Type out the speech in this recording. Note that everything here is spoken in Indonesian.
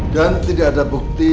dan tidak ada bukti